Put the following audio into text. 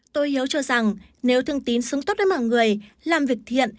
tô hiếu cho rằng nếu thương tín sống tốt với mọi người làm việc thiện